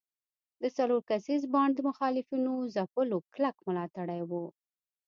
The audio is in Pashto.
د څلور کسیز بانډ د مخالفینو ځپلو کلک ملاتړي وو.